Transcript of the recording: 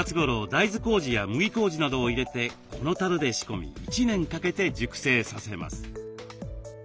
大豆こうじや麦こうじなどを入れてこのたるで仕込み１年かけて熟成させます。